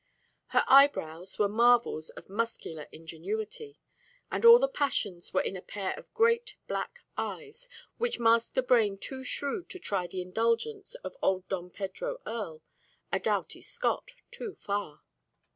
Her eyebrows were marvels of muscular ingenuity, and all the passions were in a pair of great black eyes which masked a brain too shrewd to try the indulgence of old Dom Pedro Earle, a doughty Scot, too far.